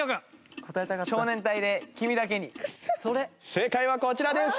正解はこちらです。